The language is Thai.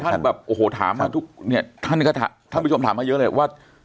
ท่านแบบโอ้โหถามมาทุกเนี่ยท่านก็ท่านผู้ชมถามมาเยอะเลยว่า